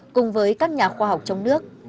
cùng với các nhà khoa học trong nước